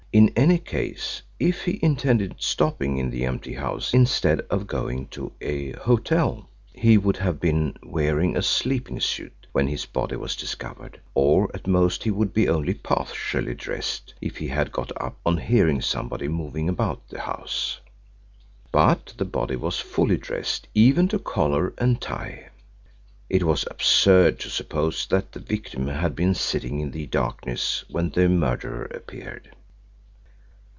In any case, if he intended stopping in the empty house instead of going to a hotel he would have been wearing a sleeping suit when his body was discovered; or, at most, he would be only partially dressed if he had got up on hearing somebody moving about the house. But the body was fully dressed, even to collar and tie. It was absurd to suppose that the victim had been sitting in the darkness when the murderer appeared.